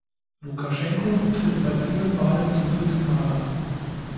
Lukaschenko tritt bei diesen Wahlen zum dritten Mal an.